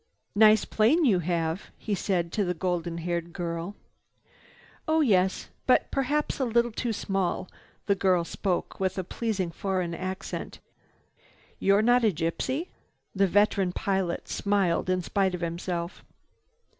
"Nice plane you have," he said to the golden haired girl. "Oh yes, but perhaps a little too small." The girl spoke with a pleasing foreign accent. "You're not a gypsy?" The veteran pilot smiled in spite of himself.